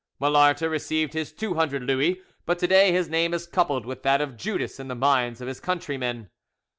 Malarte received his 200 Louis, but to day his name is coupled with that of Judas in the minds of his countrymen.